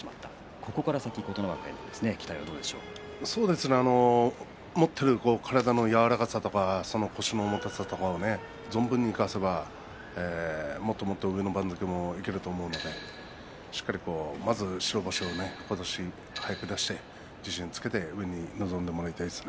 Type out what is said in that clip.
ここから先、琴ノ若への期待は持っている体のやわらかさとか腰の重たさとかを存分に生かせばもっともっと上の番付にもいけると思うのでしっかり、まず白星を今年、早く出して自信をつけて上に臨んでもらいたいですね。